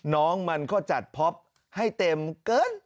น้องมันก็จัดพ็อปให้เต็มเกิน